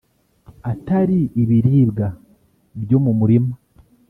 atari ibiribwa byo mu murima